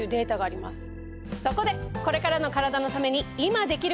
そこでこれからのカラダのために今できること！